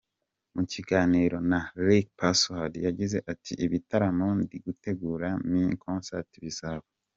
Mu kiganiro na Rick Password yagize ati, Ibitaramo ndigutegura ni Mini concert bizaba.